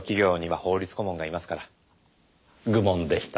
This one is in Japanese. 愚問でした。